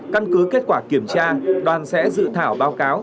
căn cứ kết quả kiểm tra đoàn sẽ dự thảo báo cáo